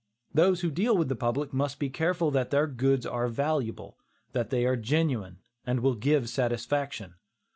Those who deal with the public must be careful that their goods are valuable; that they are genuine, and will give satisfaction.